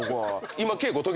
今。